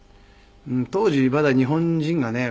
当時まだ日本人がね